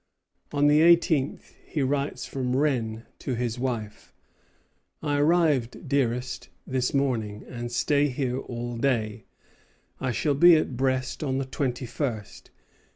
On the eighteenth he writes from Rennes to his wife: "I arrived, dearest, this morning, and stay here all day. I shall be at Brest on the twenty first.